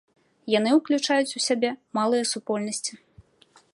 Яны ўключаюць у сябе малыя супольнасці.